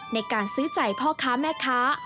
ในการซื้อใจพ่อค้าแม่ค้า